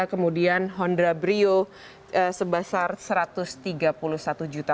kemudian hondra brio sebesar satu ratus tiga puluh satu juta